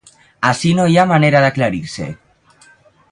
Ací no hi ha manera d'aclarir-se.